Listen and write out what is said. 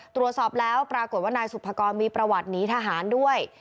ตรวจสอบแล้วปรากฏว่านายสุภกรมีประวัติหนีทหารด้วย